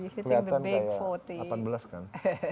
kelihatan kayak delapan belas kan